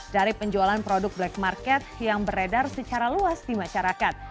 dari penjualan produk black market yang beredar secara luas di masyarakat